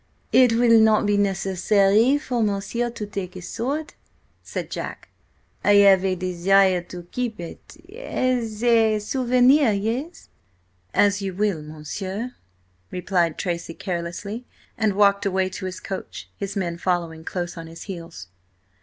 "It will–not be necessary for–m'sieu to–take his sword," said Jack. "I have a–desire to keep–it as a–souvenir. Yes." "As you will, monsieur," replied Tracy carelessly, and walked away to his coach, his men following close on his heels.